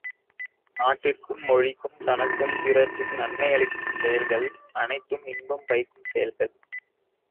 நாட்டிற்கும் மொழிக்கும் தனக்கும் பிறருக்கும் நன்மையளிக்கும் செயல்கள் அனைத்தும் இன்பம் பயக்கும் செயல்கள்.